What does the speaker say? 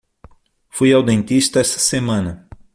Fui ao dentista essa semana